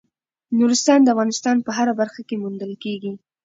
نورستان د افغانستان په هره برخه کې موندل کېږي.